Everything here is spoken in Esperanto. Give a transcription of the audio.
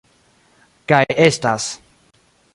Kaj estas